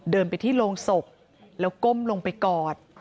เดินไปที่โรงศพแล้วก้มลงไปกอด